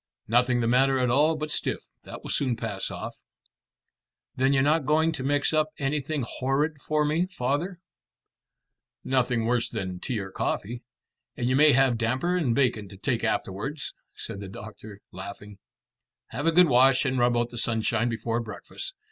"Nothing the matter at all but stiff. That will soon pass off." "Then you're not going to mix up anything horrid for me, father?" "Nothing worse than tea or coffee; and you may have damper and bacon to take afterwards," said the doctor, laughing. "Have a good wash and rub out in the sunshine before breakfast.